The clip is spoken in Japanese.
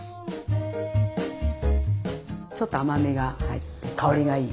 ちょっと甘みが入って香りがいい。